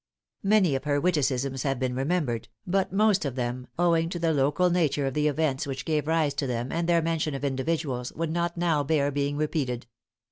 Many of her witticisms have been remembered, but most of them, owing to the local nature of the events which gave rise to them and their mention of individuals, would not now bear being repeated.